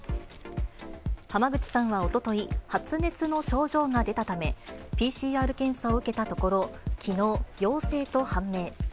濱口さんはおととい、発熱の症状が出たため、ＰＣＲ検査を受けたところ、きのう陽性と判明。